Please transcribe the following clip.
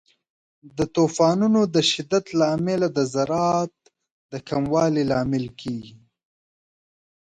د طوفانونو د شدت له امله د زراعت د کموالي لامل کیږي.